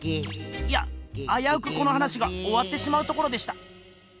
いやあやうくこの話がおわってしまうところでした。